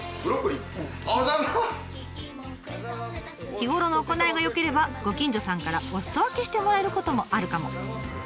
日頃の行いが良ければご近所さんからおすそ分けしてもらえることもあるかも。